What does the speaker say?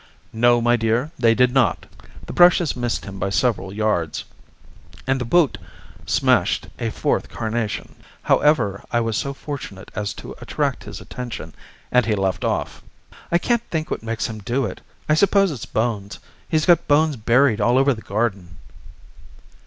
"No, my dear, they did not. The brushes missed him by several yards, and the boot smashed a fourth carnation. However, I was so fortunate as to attract his attention, and he left off." "I can't think what makes him do it. I suppose it's bones. He's got bones buried all over the garden."